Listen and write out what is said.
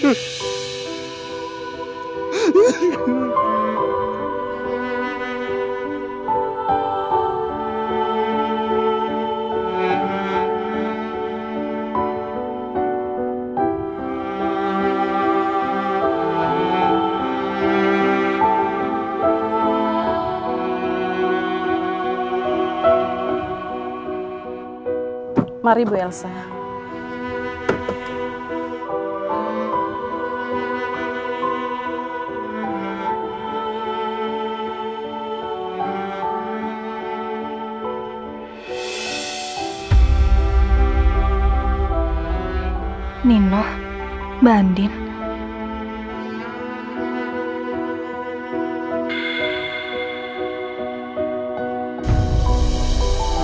kenapa dia tidak dikenal